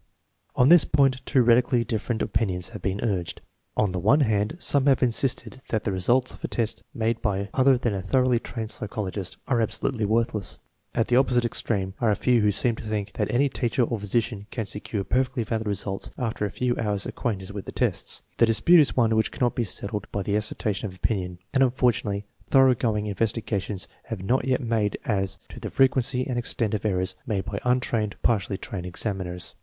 On this point two radically different opin ions have been urged. On the one hand, some have insisted that the results of a test made by other than a thoroughly trained psychologist are absolutely worthless. At the oppo site extreme are a few who seem to think that any teacher or physician can secure perfectly valid results after a few hours' acquaintance with the tests. The dispute is one which cannot be settled by the as sertion of opinion, and, unfortunately, thoroughgoing in vestigations have not yet been made as to the frequency and extent of errors made by untrained or partially trained examiners.